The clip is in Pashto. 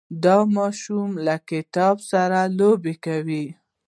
دا ماشوم له کتاب سره لوبې کوي.